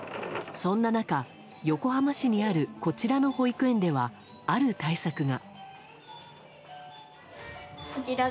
そんな中、横浜市にあるこちらの保育園では、ある対策が。